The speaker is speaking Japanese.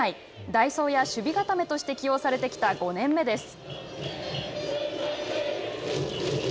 代走や守備固めとして起用されてきた５年目です。